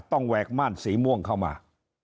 แหวกม่านสีม่วงเข้ามา